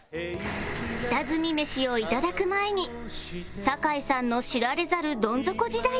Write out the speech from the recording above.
下積みメシを頂く前に酒井さんの知られざるどん底時代とは